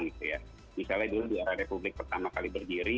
misalnya dulu di era republik pertama kali berdiri